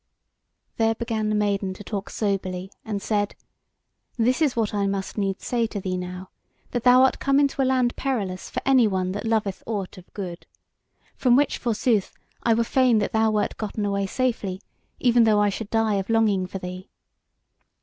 There began the maiden to talk soberly, and said: "This is what I must needs say to thee now, that thou art come into a land perilous for any one that loveth aught of good; from which, forsooth, I were fain that thou wert gotten away safely, even though I should die of longing for thee.